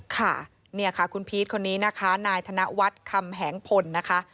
ค่ะเนี่ยค่ะคุณพีชคนนี้นะคะนายธนวัฒน์คำแหงพลนะคะ